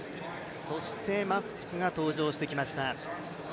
そして、マフチクが登場してきました。